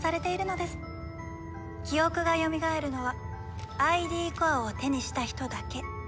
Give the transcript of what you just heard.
記憶がよみがえるのはＩＤコアを手にした人だけ。